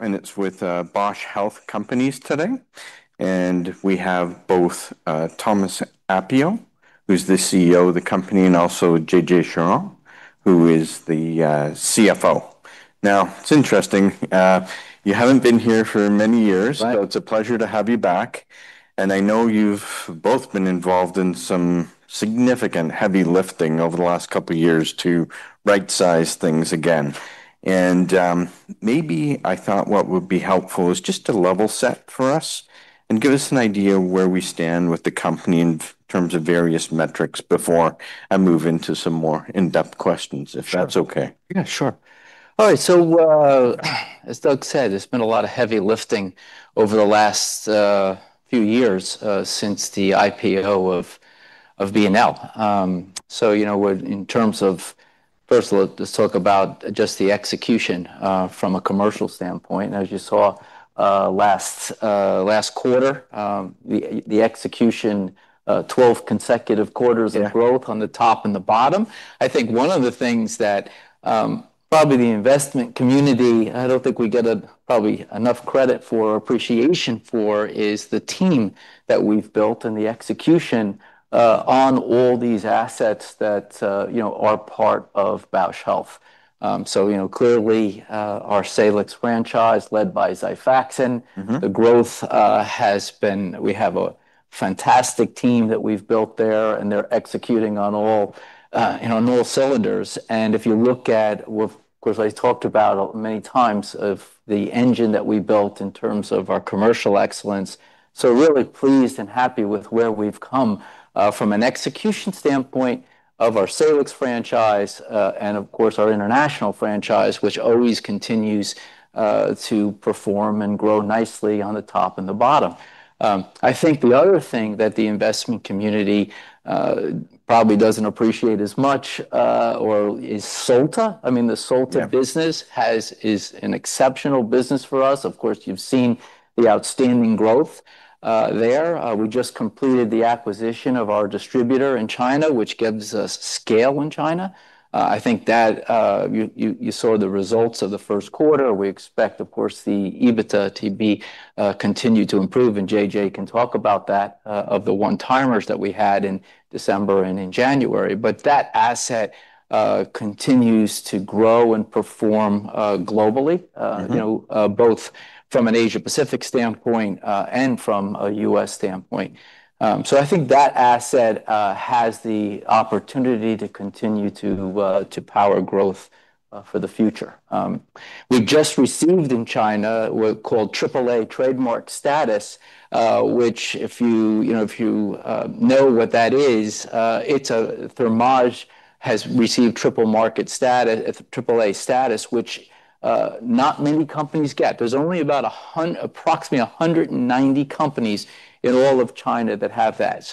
It's with Bausch Health Companies today. We have both Thomas Appio, who's the Chief Executive Officer of the company, and also Jean-Jacques Charhon, who is the Chief Financial Officer. It's interesting, you haven't been here for many years. Right It's a pleasure to have you back. I know you've both been involved in some significant heavy lifting over the last couple of years to right-size things again. Maybe I thought what would be helpful is just to level set for us and give us an idea where we stand with the company in terms of various metrics before I move into some more in-depth questions, if that's okay. Yeah, sure. All right, as Doug said, it's been a lot of heavy lifting over the last few years since the IPO of BLCO. First let's talk about just the execution from a commercial standpoint. As you saw last quarter, the execution, 12 consecutive quarters- Yeah of growth on the top and the bottom. I think one of the things that probably the investment community, I don't think we get probably enough credit for, appreciation for, is the team that we've built and the execution on all these assets that are part of Bausch Health. Clearly, our Salix franchise, led by XIFAXAN. We have a fantastic team that we've built there. They're executing on all cylinders. If you look at, of course, I talked about many times of the engine that we built in terms of our commercial excellence. Really pleased and happy with where we've come from an execution standpoint of our Salix franchise and, of course, our international franchise, which always continues to perform and grow nicely on the top and the bottom. I think the other thing that the investment community probably doesn't appreciate as much is Solta. Yeah business is an exceptional business for us. Of course, you've seen the outstanding growth there. We just completed the acquisition of our distributor in China, which gives us scale in China. I think that you saw the results of the first quarter. We expect, of course, the EBITDA to continue to improve, and Jean-Jacques Charhon can talk about that, of the one-timers that we had in December and in January. That asset continues to grow and perform globally. both from an Asia-Pacific standpoint and from a U.S. standpoint. I think that asset has the opportunity to continue to power growth for the future. We just received in China what called triple A trademark status, which if you know what that is, Thermage has received triple market status, triple A status, which not many companies get. There's only approximately 190 companies in all of China that have that.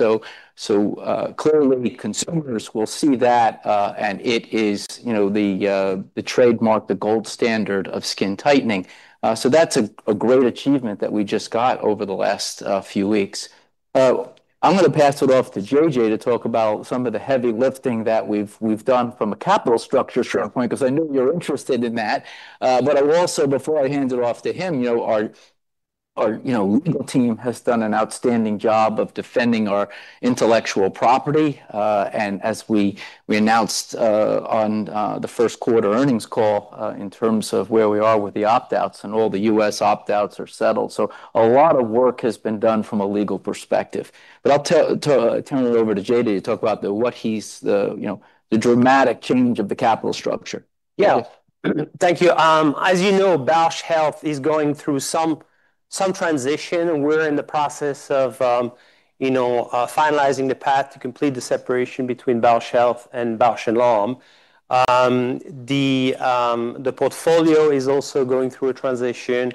Clearly, consumers will see that, and it is the trademark, the gold standard of skin tightening. That's a great achievement that we just got over the last few weeks. I'm going to pass it off to Jean-Jacques Charhon to talk about some of the heavy lifting that we've done from a capital structure standpoint, because I know you're interested in that. I will also, before I hand it off to him, our legal team has done an outstanding job of defending our intellectual property. As we announced on the 1st quarter earnings call in terms of where we are with the opt-outs, and all the U.S. opt-outs are settled. A lot of work has been done from a legal perspective. I'll turn it over to Jean-Jacques Charhon to talk about the dramatic change of the capital structure. Yeah. Thank you. As you know, Bausch Health is going through some transition. We're in the process of finalizing the path to complete the separation between Bausch Health and Bausch + Lomb. The portfolio is also going through a transition.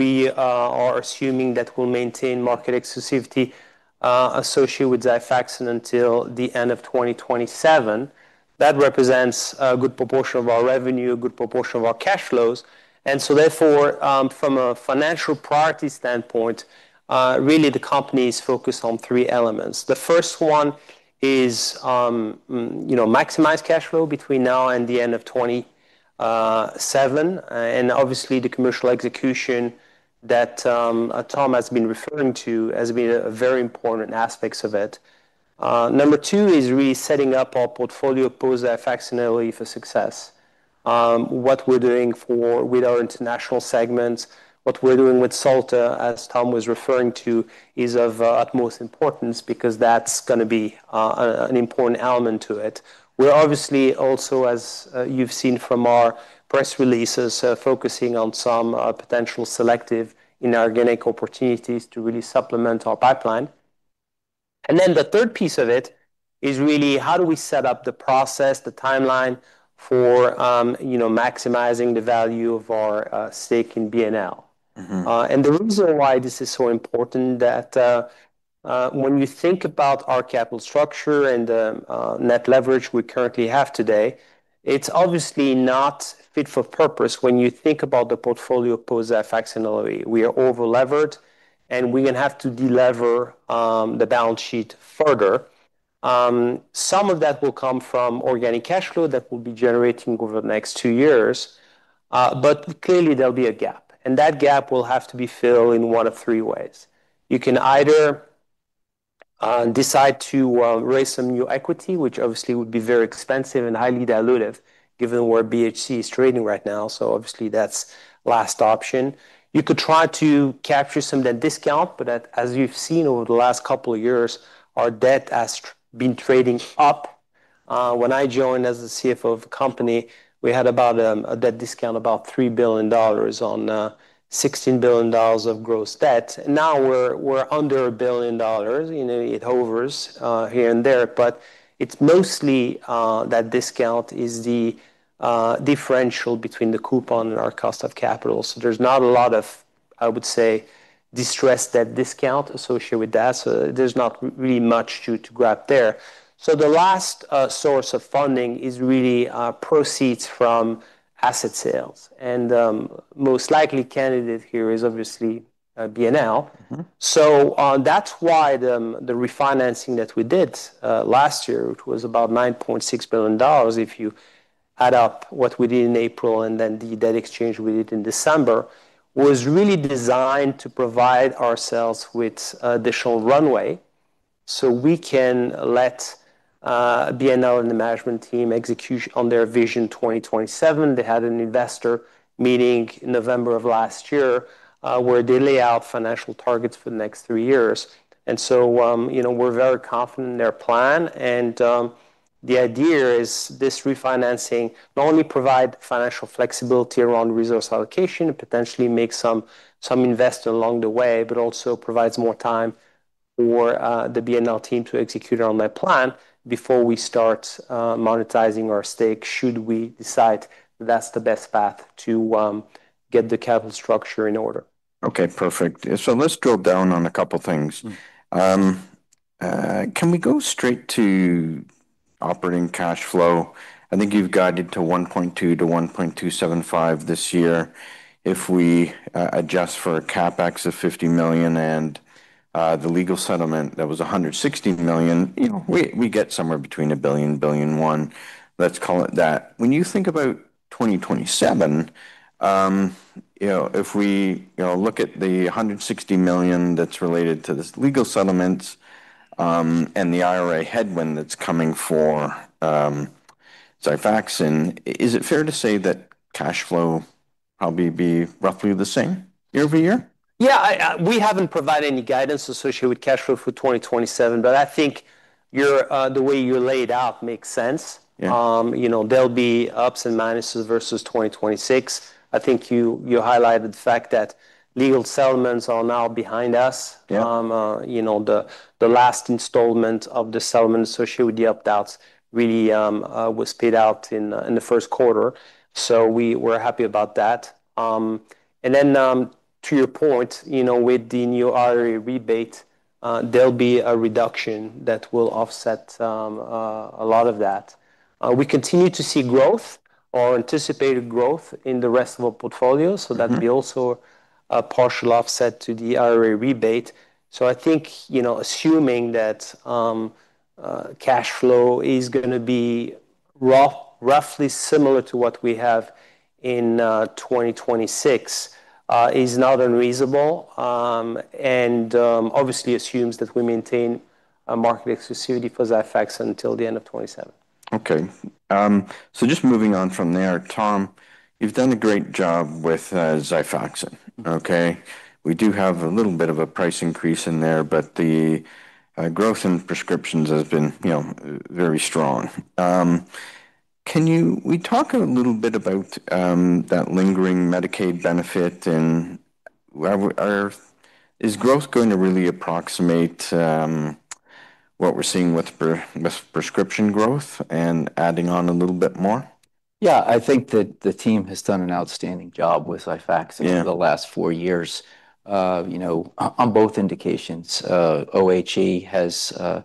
We are assuming that we'll maintain market exclusivity associated with XIFAXAN until the end of 2027. That represents a good proportion of our revenue, a good proportion of our cash flows, and so therefore, from a financial priority standpoint, really the company is focused on three elements. The first one is maximize cash flow between now and the end of 2027, and obviously, the commercial execution that Tom has been referring to has been a very important aspects of it. Number two is really setting up our portfolio post-XIFAXAN early for success. What we're doing with our international segments, what we're doing with Solta, as Thomas Appio was referring to, is of utmost importance because that's going to be an important element to it. We're obviously also, as you've seen from our press releases, focusing on some potential selective inorganic opportunities to really supplement our pipeline. The third piece of it is really how do we set up the process, the timeline for maximizing the value of our stake in BLCO? The reason why this is so important that when you think about our capital structure and the net leverage we currently have today, it's obviously not fit for purpose when you think about the portfolio post-XIFAXAN. We are over-levered, and we're going to have to de-lever the balance sheet further. Some of that will come from organic cash flow that we'll be generating over the next two years. Clearly there'll be a gap, and that gap will have to be filled in one of three ways. You can either decide to raise some new equity, which obviously would be very expensive and highly dilutive given where BHC is trading right now. Obviously that's last option. You could try to capture some of that discount, but as you've seen over the last couple of years, our debt has been trading up. When I joined as the Chief Financial Officer of the company, we had about a debt discount, about $3 billion on $16 billion of gross debt. Now we're under $1 billion. It hovers here and there, but it's mostly that discount is the differential between the coupon and our cost of capital. There's not a lot of, I would say, distressed debt discount associated with that. There's not really much to grab there. The last source of funding is really proceeds from asset sales. Most likely candidate here is obviously BLCO. That's why the refinancing that we did last year, which was about $9.6 billion, if you add up what we did in April, and then the debt exchange we did in December, was really designed to provide ourselves with additional runway so we can let BLCO and the management team execute on their Vision 2027. They had an investor meeting in November of last year, where they lay out financial targets for the next three years. We're very confident in their plan. The idea is this refinancing not only provide financial flexibility around resource allocation and potentially make some investor along the way, but also provides more time for the BLCO team to execute on that plan before we start monetizing our stake should we decide that's the best path to get the capital structure in order. Okay, perfect. Let's drill down on a couple things. Can we go straight to operating cash flow? I think you've guided to $1.2 billion-$1.275 billion this year. If we adjust for CapEx of $50 million and the legal settlement, that was $160 million. We get somewhere between $1 billion-$1.1 billion, let's call it that. When you think about 2027, if we look at the $160 million that's related to this legal settlements, and the IRA headwind that's coming for XIFAXAN, is it fair to say that cash flow probably be roughly the same year-over-year? Yeah, we haven't provided any guidance associated with cash flow for 2027, but I think the way you lay it out makes sense. Yeah. There'll be ups and minuses versus 2026. I think you highlighted the fact that legal settlements are now behind us. Yeah. The last installment of the settlement associated with the opt-outs really was paid out in the first quarter. We're happy about that. To your point, with the new IRA rebate, there'll be a reduction that will offset a lot of that. We continue to see growth or anticipated growth in the rest of our portfolio, so that'll be also a partial offset to the IRA rebate. I think, assuming that cash flow is going to be roughly similar to what we have in 2026, is not unreasonable. Obviously assumes that we maintain a market exclusivity for XIFAXAN until the end of 2027. Just moving on from there, Tom, you've done a great job with XIFAXAN. We do have a little bit of a price increase in there, but the growth in prescriptions has been very strong. Can we talk a little bit about that lingering Medicaid benefit and is growth going to really approximate what we're seeing with prescription growth and adding on a little bit more? Yeah, I think that the team has done an outstanding job with XIFAXAN. Yeah for the last four years on both indications. OHE. The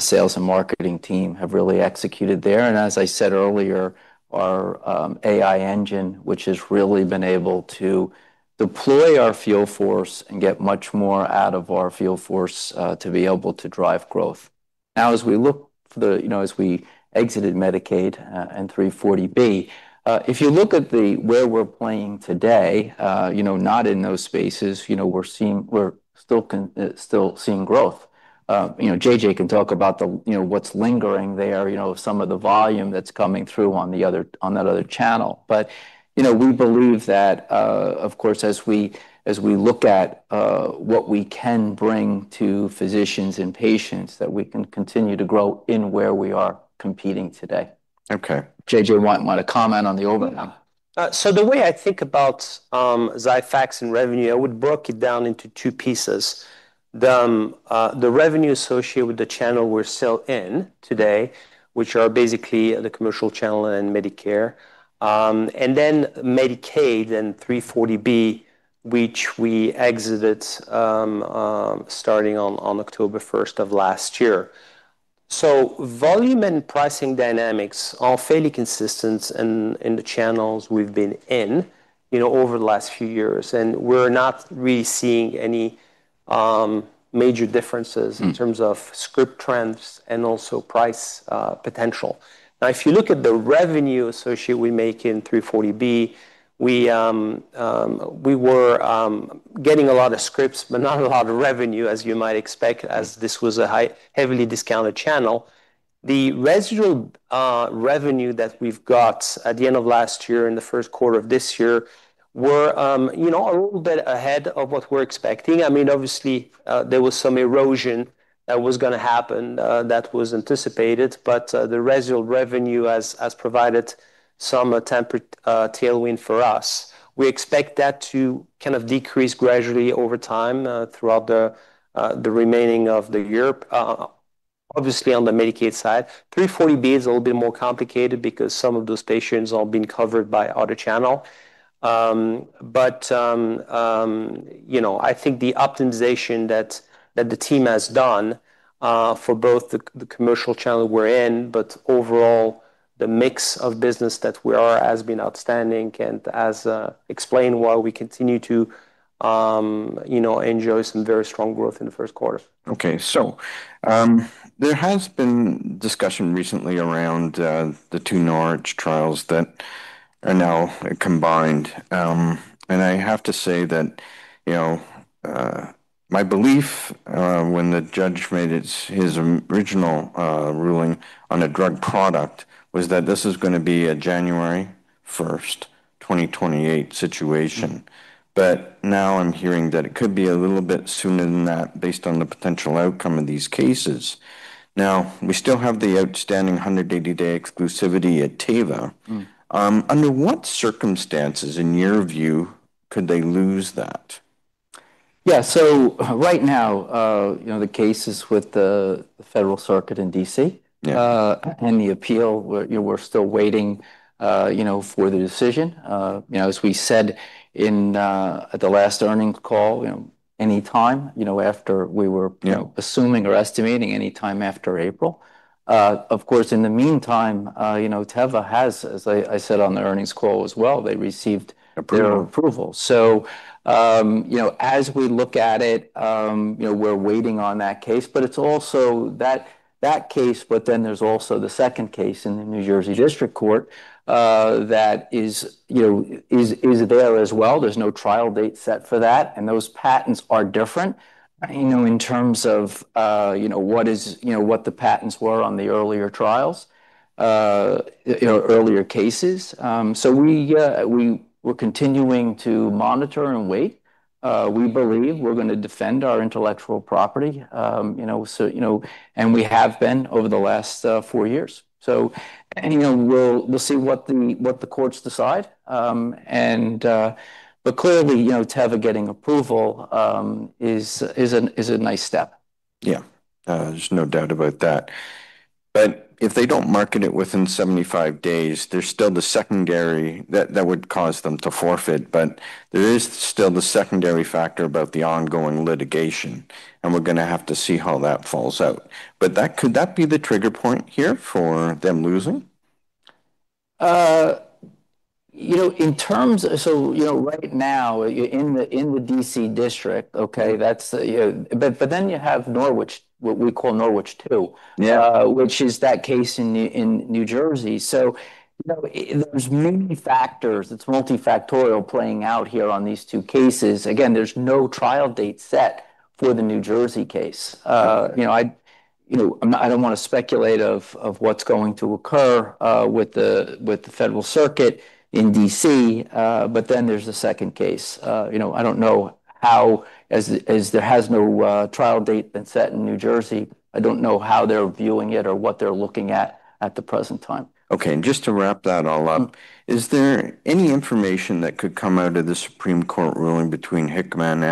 sales and marketing team have really executed there. As I said earlier, our AI engine, which has really been able to deploy our field force and get much more out of our field force, to be able to drive growth. Now as we look, as we exited Medicaid and 340B, if you look at where we're playing today, not in those spaces, we're still seeing growth. JJ can talk about what's lingering there, some of the volume that's coming through on that other channel. We believe that, of course, as we look at what we can bring to physicians and patients, that we can continue to grow in where we are competing today. Okay. Jean-Jacques Charhon, want to comment on the old one? The way I think about XIFAXAN revenue, I would break it down into two pieces. The revenue associated with the channel we're still in today, which are basically the commercial channel and Medicare, and then Medicaid and 340B, which we exited starting on October 1st of last year. Volume and pricing dynamics are fairly consistent in the channels we've been in over the last few years, and we're not really seeing any major differences- in terms of script trends and also price potential. Now, if you look at the revenue associated we make in 340B, we were getting a lot of scripts, but not a lot of revenue, as you might expect, as this was a heavily discounted channel. The residual revenue that we've got at the end of last year and the first quarter of this year were a little bit ahead of what we're expecting. Obviously, there was some erosion that was going to happen that was anticipated, but the residual revenue has provided some temporary tailwind for us. We expect that to decrease gradually over time throughout the remaining of the year. Obviously, on the Medicaid side, 340B is a little bit more complicated because some of those patients are being covered by other channel. I think the optimization that the team has done for both the commercial channel we're in, but overall, the mix of business that we are has been outstanding and has explained why we continue to enjoy some very strong growth in the first quarter. There has been discussion recently around the two Norwich trials that are now combined. I have to say that my belief when the judge made his original ruling on a drug product was that this is going to be a January 1st, 2028 situation. Now I'm hearing that it could be a little bit sooner than that based on the potential outcome of these cases. We still have the outstanding 180-day exclusivity at Teva. Under what circumstances, in your view, could they lose that? Yeah. Right now, the case is with the Federal Circuit in D.C. Yeah. The appeal, we're still waiting for the decision. As we said at the last earnings call. Yeah Assuming or estimating any time after April. Of course, in the meantime Teva has, as I said on the earnings call as well. They received their approval. As we look at it, we're waiting on that case. It's also that case, there's also the second case in the New Jersey District Court that is there as well. There's no trial date set for that, and those patents are different in terms of what the patents were on the earlier trials, earlier cases. We're continuing to monitor and wait. We believe we're going to defend our intellectual property and we have been over the last four years. Anyway, we'll see what the courts decide. Clearly, Teva getting approval is a nice step. Yeah. There's no doubt about that. If they don't market it within 75 days, there's still the secondary that would cause them to forfeit, but there is still the secondary factor about the ongoing litigation, and we're going to have to see how that falls out. Could that be the trigger point here for them losing? Right now, you're in the D.C. District, okay? You have what we call Norwich 2. Yeah Which is that case in New Jersey. There's many factors. It's multifactorial playing out here on these two cases. Again, there's no trial date set for the New Jersey case. Okay. I don't want to speculate of what's going to occur with the Federal Circuit in D.C., but then there's the second case. I don't know how, as there has no trial date been set in New Jersey. I don't know how they're viewing it or what they're looking at the present time. Okay. Just to wrap that all up, is there any information that could come out of the Supreme Court ruling between Hikma and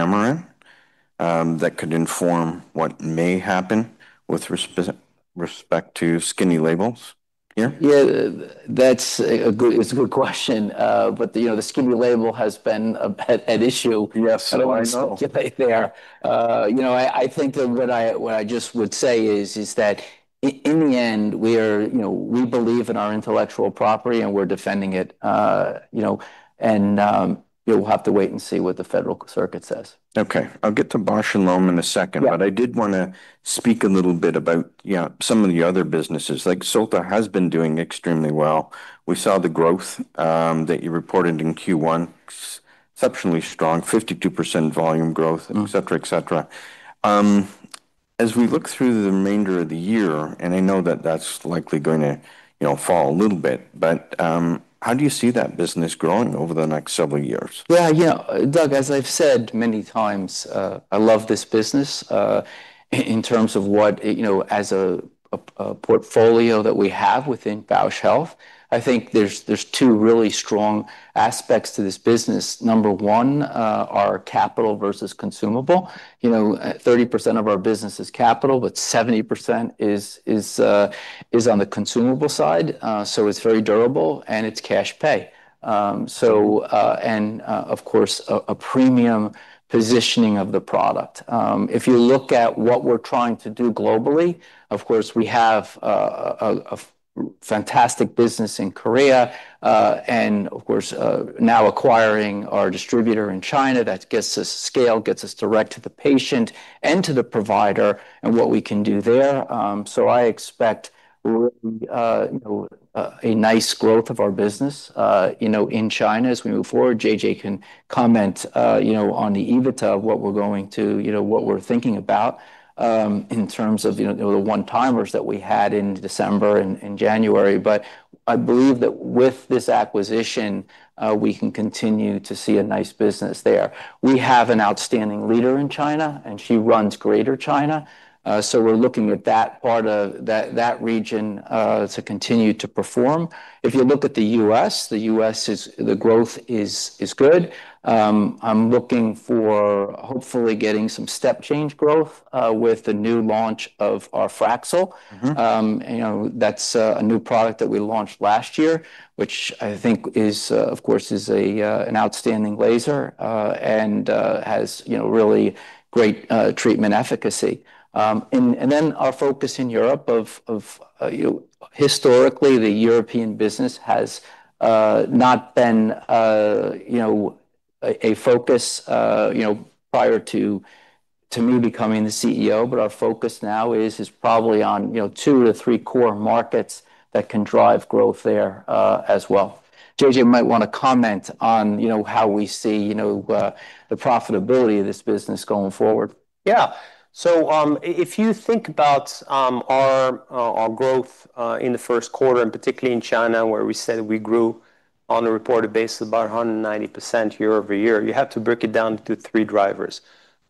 Amarin that could inform what may happen with respect to skinny labels here? Yeah. That's a good question. The skinny label has been at issue. Yes. I know there. I think what I just would say is that in the end, we believe in our intellectual property, and we're defending it. We'll have to wait and see what the Federal Circuit says. Okay. I'll get to Bausch + Lomb in a second. Yeah. I did want to speak a little bit about some of the other businesses. Like Solta has been doing extremely well. We saw the growth that you reported in Q1, exceptionally strong, 52% volume growth, et cetera. As we look through the remainder of the year, and I know that that's likely going to fall a little bit, but how do you see that business growing over the next several years? Yeah. Doug, as I've said many times, I love this business, in terms of as a portfolio that we have within Bausch Health. I think there's two really strong aspects to this business. Number one, our capital versus consumable. 30% of our business is capital, but 70% is on the consumable side. It's very durable, and it's cash pay. Of course, a premium positioning of the product. If you look at what we're trying to do globally, of course, we have a fantastic business in Korea. Of course, now acquiring our distributor in China, that gets us scale, gets us direct to the patient and to the provider, and what we can do there. I expect a nice growth of our business in China as we move forward. JJ can comment on the EBITDA of what we're thinking about in terms of the one-timers that we had in December and January. I believe that with this acquisition, we can continue to see a nice business there. We have an outstanding leader in China, and she runs Greater China. We're looking at that region to continue to perform. If you look at the U.S., the growth is good. I'm looking for hopefully getting some step change growth with the new launch of our Fraxel. That's a new product that we launched last year, which I think of course is an outstanding laser, and has really great treatment efficacy. Our focus in Europe. Historically, the European business has not been a focus prior to me becoming the Chief Executive Officer. Our focus now is probably on two to three core markets that can drive growth there as well. Jean-Jacques Charhon might want to comment on how we see the profitability of this business going forward. Yeah. If you think about our growth in the first quarter, and particularly in China, where we said we grew on a reported basis about 190% year-over-year, you have to break it down into three drivers.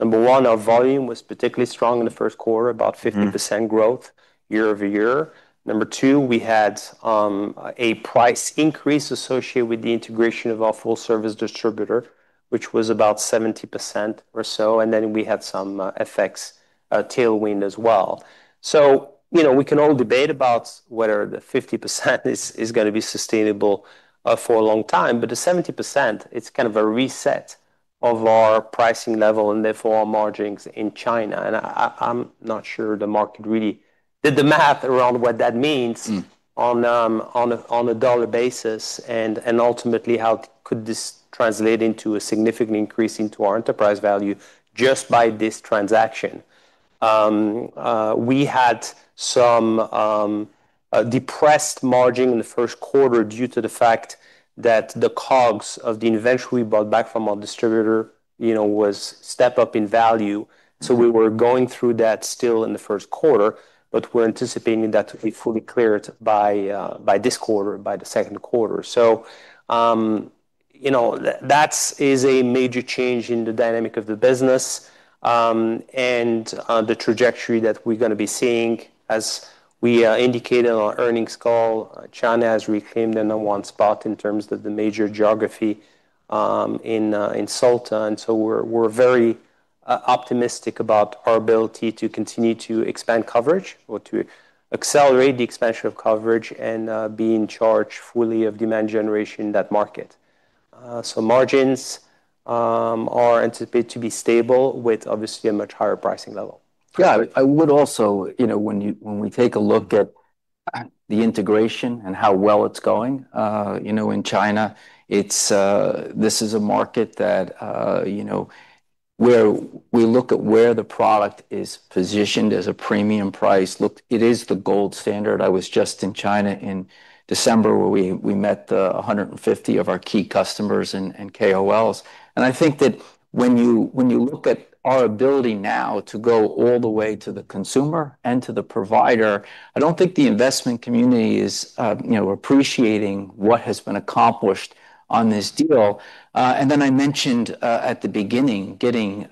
Number one, our volume was particularly strong in the first quarter, about 50% growth year-over-year. Number two, we had a price increase associated with the integration of our full service distributor, which was about 70% or so, we had some FX tailwind as well. We can all debate about whether the 50% is going to be sustainable for a long time, but the 70%, it's kind of a reset of our pricing level and therefore our margins in China. I'm not sure the market really did the math around what that means. Ultimately, how could this translate into a significant increase into our enterprise value just by this transaction. We had some depressed margin in the first quarter due to the fact that the COGS of the inventory we bought back from our distributor was step-up in value. We were going through that still in the first quarter, but we're anticipating that to be fully cleared by this quarter, by the second quarter. That is a major change in the dynamic of the business, and the trajectory that we're going to be seeing. As we indicated on our earnings call, China has reclaimed the number one spot in terms of the major geography in Solta. We're very optimistic about our ability to continue to expand coverage or to accelerate the expansion of coverage and be in charge fully of demand generation in that market. Margins are anticipated to be stable with obviously a much higher pricing level. I would also, when we take a look at the integration and how well it's going in China, this is a market that we look at where the product is positioned as a premium price. Look, it is the gold standard. I was just in China in December where we met 150 of our key customers and KOLs. I think that when you look at our ability now to go all the way to the consumer and to the provider, I don't think the investment community is appreciating what has been accomplished on this deal. Then I mentioned at the beginning getting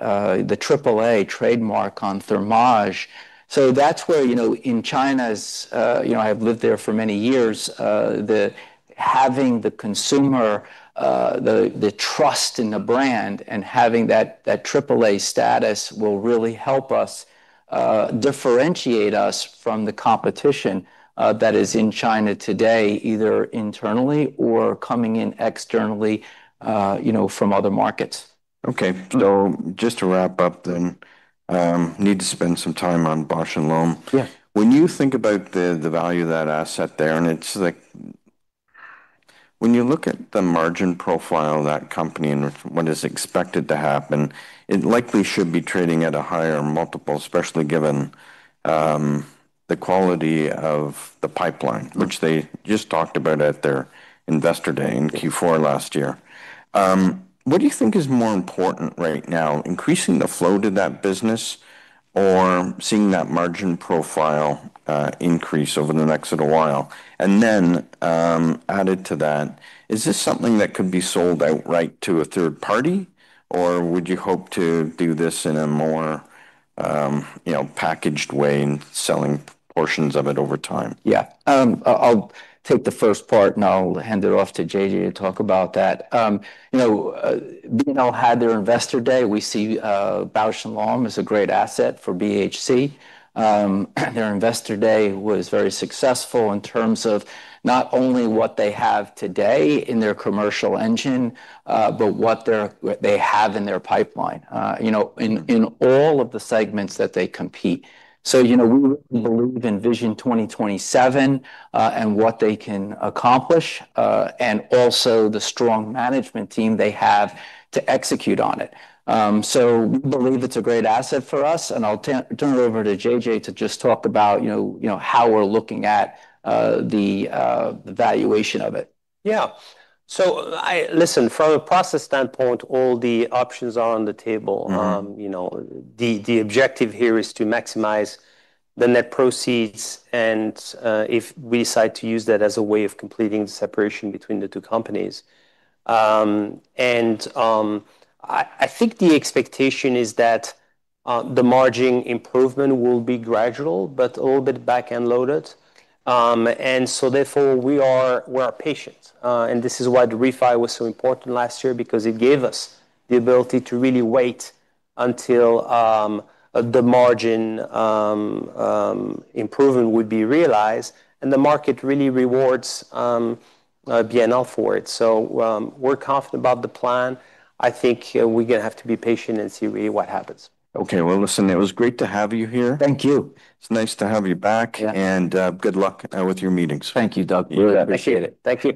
the triple A trademark on Thermage. That's where I've lived there for many years. Having the consumer, the trust in the brand, and having that triple A status will really help us differentiate us from the competition that is in China today, either internally or coming in externally from other markets. Okay. Just to wrap up then, need to spend some time on Bausch + Lomb. Yeah. When you think about the value of that asset there, and when you look at the margin profile of that company and what is expected to happen, it likely should be trading at a higher multiple, especially given the quality of the pipeline, which they just talked about at their investor day in Q4 last year. What do you think is more important right now, increasing the flow to that business or seeing that margin profile increase over the next little while? Added to that, is this something that could be sold outright to a third party, or would you hope to do this in a more packaged way and selling portions of it over time? I'll take the first part, and I'll hand it off to Jean-Jacques Charhon to talk about that. BLCO had their investor day. We see Bausch + Lomb as a great asset for BHC. Their investor day was very successful in terms of not only what they have today in their commercial engine, but what they have in their pipeline in all of the segments that they compete. We really believe in Vision 2027, and what they can accomplish, and also the strong management team they have to execute on it. We believe it's a great asset for us, and I'll turn it over to Jean-Jacques Charhon to just talk about how we're looking at the valuation of it. Yeah. Listen, from a process standpoint, all the options are on the table. The objective here is to maximize the net proceeds, and if we decide to use that as a way of completing the separation between the two companies. I think the expectation is that the margin improvement will be gradual, but a little bit back-end loaded. Therefore, we are patient. This is why the refi was so important last year, because it gave us the ability to really wait until the margin improvement would be realized, and the market really rewards BLCO for it. We're confident about the plan. I think we're going to have to be patient and see really what happens. Okay. Well, listen, it was great to have you here. Thank you. It's nice to have you back. Yeah. Good luck with your meetings. Thank you, Douglas. Really appreciate it. Thank you.